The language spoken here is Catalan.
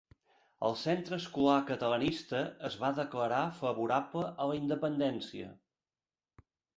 El Centre Escolar Catalanista es va declarar favorable a la Independència.